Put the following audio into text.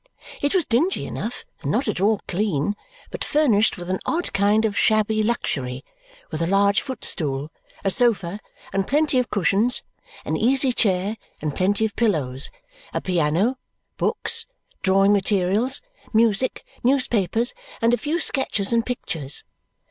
It was dingy enough and not at all clean, but furnished with an odd kind of shabby luxury, with a large footstool, a sofa, and plenty of cushions, an easy chair, and plenty of pillows, a piano, books, drawing materials, music, newspapers, and a few sketches and pictures.